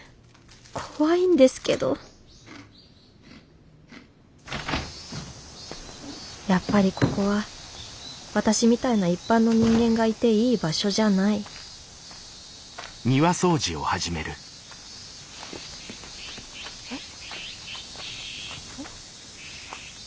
怖いんですけどやっぱりここは私みたいな一般の人間がいていい場所じゃないえっ。